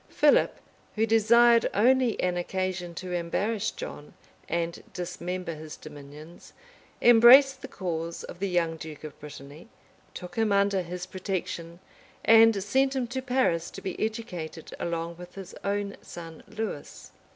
Philip, who desired only an occasion to embarrass John, and dismember his dominions, embraced the cause of the young duke of Brittany, took him under his protection, and sent him to Paris to be educated along with his own son Lewis.